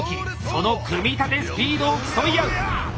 その組み立てスピードを競い合う。